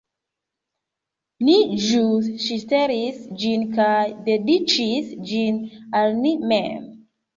Ni ĵus ŝtelis ĝin kaj dediĉis ĝin al ni mem